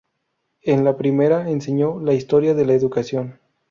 En la primera enseñó la "Historia de la educación".